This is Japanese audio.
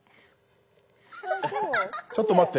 ちょっと待って。